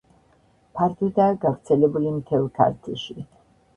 ფართოდაა გავრცელებული მთელ ქართლში.